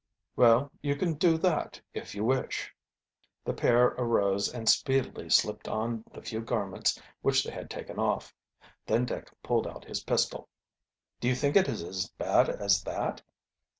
"Well, you can do that if you wish." The pair arose and speedily slipped on the few garments which they had taken off. Then Dick pulled out his pistol. "Do you think it is as bad as that?"